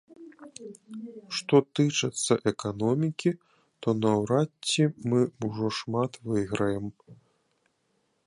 Што тычыцца эканомікі, то наўрад ці мы ўжо шмат выйграем.